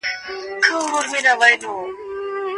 بې عمله عالم د بې میوې ونې په څیر دی.